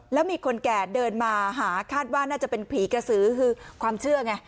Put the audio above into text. แล้วมีคนแก่เดินมาหาคาดว่าน่าจะเป็นผีกระสือคือความเชื่อไง